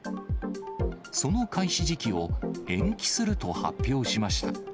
その開始時期を延期すると発表しました。